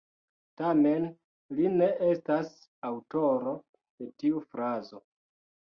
Tamen li ne estas aŭtoro de tiu frazo.